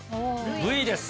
Ｖです。